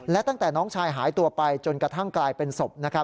และตั้งแต่น้องชายหายตัวไปจนกระทั่งกลายเป็นศพ